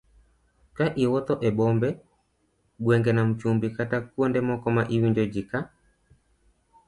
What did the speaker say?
Ka iwuotho e bombe, gwenge, nam chumbi kata kuonde moko ma iwinjo ji ka